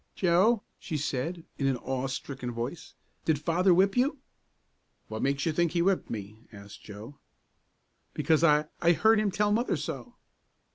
"Joe," she said, in an awe stricken voice, "did Father whip you?" "What makes you think he whipped me?" asked Joe. "Because, I I heard him tell Mother so."